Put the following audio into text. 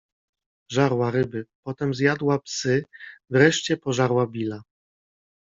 żarła ryby.... Potem zjadła psy... Wreszcie pożarła Billa....